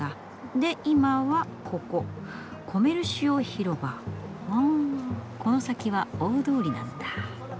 で今はここ「コメルシオ広場」。はこの先は大通りなんだ。